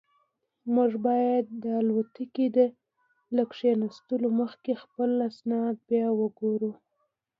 موږ باید د الوتکې له کښېناستو مخکې خپل اسناد بیا وګورو.